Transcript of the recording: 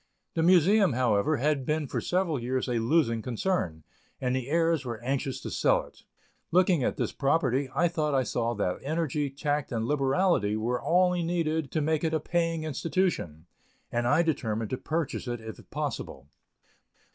The Museum, however, had been for several years a losing concern, and the heirs were anxious to sell it. Looking at this property, I thought I saw that energy, tact and liberality, were only needed to make it a paying institution, and I determined to purchase it if possible.